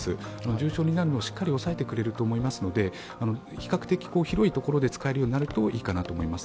重症になるのをしっかり抑えてくれると思いますので比較的、広いところで使えるようになるといいかなと思います。